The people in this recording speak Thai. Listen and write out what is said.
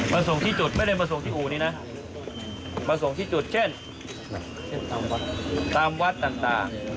ประสงค์ที่จุดไม่ได้ประสงค์ที่อู่นี่นะประสงค์ที่จุดเช่นตามวัดต่าง